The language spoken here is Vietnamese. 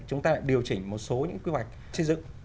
chúng ta lại điều chỉnh một số những quy hoạch xây dựng